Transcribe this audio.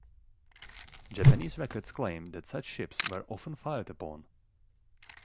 Japanese records claim that such ships were often fired upon.